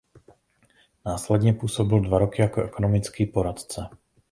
Následně působil dva roky jako ekonomický poradce.